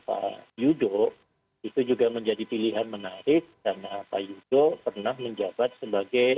pak yudo itu juga menjadi pilihan menarik karena pak yudo pernah menjabat sebagai